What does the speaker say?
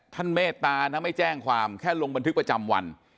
เมตตานะไม่แจ้งความแค่ลงบันทึกประจำวัน